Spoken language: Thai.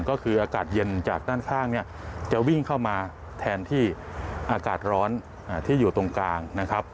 ก็คืออากาศเย็นจากด้านข้างเนี่ยจะวิ่งเข้ามาแทนที่อากาศร้อนที่อยู่ตรงกลางนะครับ